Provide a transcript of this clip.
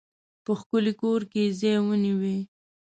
په ښکلي کور کې ځای ونیوی.